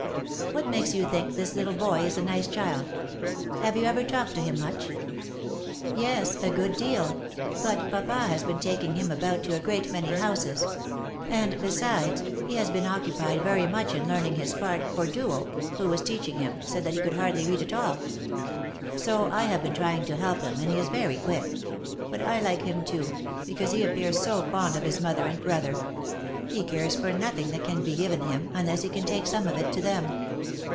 What makes you think this little boy is a nice child ? Have you ever talked to him much ?"" Yes, a good deal ; but papa has been taking him about to a great many houses ; and besides, he has been occupied very much in learn ing his part, for Duo, who was teaching him, said that he could hardly read at all. So I have been trying to help him, and he is very quick. But I like him, too, because he appears so fond of his mother and bro ther. He cares for nothing that can be given him, unless he can take some of it to them."